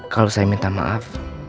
kalau saya minta maaf